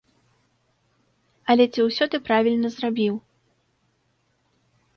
Але ці ўсё ты правільна зрабіў?